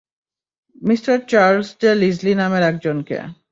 Mr Charles de Lisle নামের একজনকে।